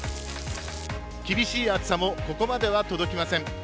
厳しい暑さもここまでは届きません。